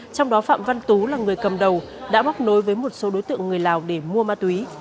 trong đó phạm văn tú là người cầm đầu đã móc nối với một số đối tượng người lào để mua ma túy